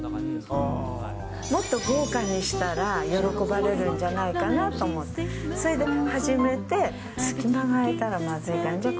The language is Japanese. もっと豪華にしたら、喜ばれるんじゃないかなと思って、それで始めて、隙間が空いたらまずいから、じゃ